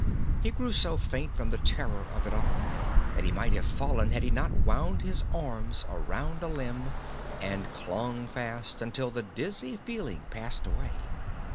He grew so faint from the terror of it all that he might have fallen had he not wound his arms around a limb and clung fast until the dizzy feeling passed away.